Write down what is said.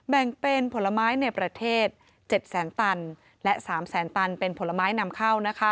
แบ่งเป็นผลไม้ในประเทศ๗แสนตันและ๓แสนตันเป็นผลไม้นำเข้า